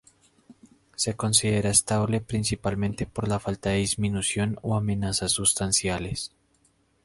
Se considera estable, principalmente por la falta de disminución o amenazas sustanciales.